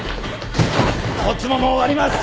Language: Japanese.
こっちももう終わります。